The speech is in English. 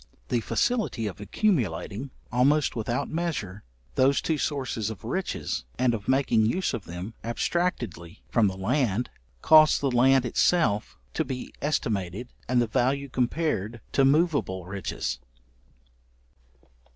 The facility of accumulating, almost without measure, those two sources of riches, and of making use of them abstractedly from the land, caused the land itself to be estimated, and the value compared to moveable riches.